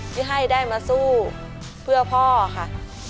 ที่ให้ได้มาสู้เพื่อพ่อค่ะ